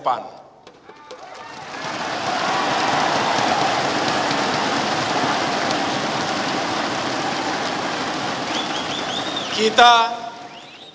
kita akan memiliki presiden dan wakil presiden